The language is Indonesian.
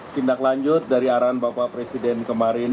tindak lanjut dari arahan bapak presiden kemarin